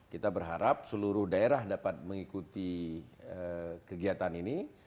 kita berharap seluruh daerah dapat mengikuti kegiatan ini